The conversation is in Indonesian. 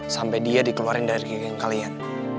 sampai dia dikeluarin dari yang kalian